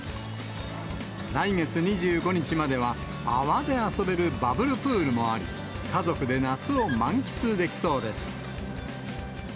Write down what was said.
来月２５日までは、泡で遊べるバブルプールもあり、家族で夏を満喫できそうです。